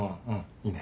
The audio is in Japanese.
いいね。